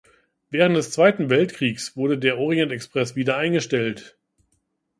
Während des Zweiten Weltkriegs wurde der Orient-Express wieder eingestellt.